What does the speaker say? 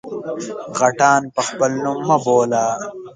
_غټان په خپل نوم مه بوله!